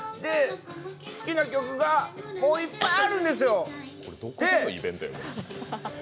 好きな曲がもういっぱいあるんですよ！